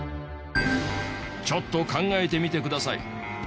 ちょっと考えてみてください。